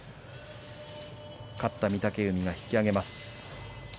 勝った御嶽海、引き揚げます。